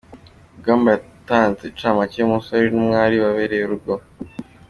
Rugamba yatanze incamake y’umusore n’umwari babereye urugo.